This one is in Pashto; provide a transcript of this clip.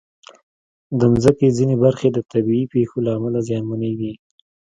د مځکې ځینې برخې د طبعي پېښو له امله زیانمنېږي.